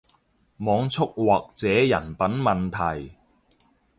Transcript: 網速或者人品問題